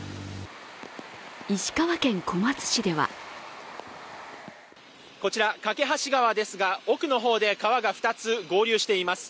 石川県小松市ではこちら梯川ですが、奥の方で川が２つ合流しています。